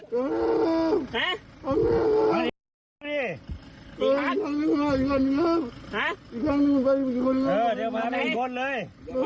เออเดี๋ยวมาไปอีกคนเลยเอาอาวุฒิ